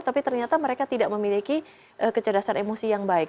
tapi ternyata mereka tidak memiliki kecerdasan emosi yang baik